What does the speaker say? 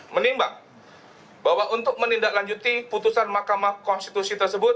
menimbang bahwa untuk menindaklanjuti putusan mahkamah konstitusi tersebut